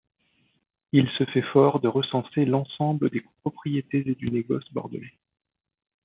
Il se fait fort de recenser l'ensemble des propriétés et du négoce bordelais.